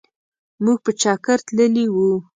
مونږ په چکرتللي وو.